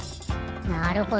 なるほど。